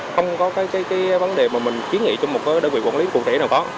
không có cái vấn đề mà mình kiến nghị trong một đối quyền quản lý cụ thể nào có